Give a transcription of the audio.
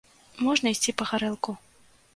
Можна ісці па гарэлку!